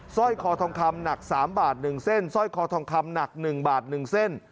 ซ่อยคอทองคำหนัก๓บาท๑เส้น